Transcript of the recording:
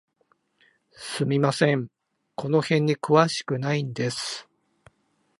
すみません、この辺に詳しくないんです。